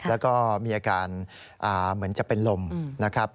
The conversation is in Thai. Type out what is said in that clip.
แล้วก็มีอาการเหมือนจะเป็นลมนะครับ